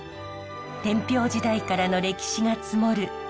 天平時代からの歴史が積もる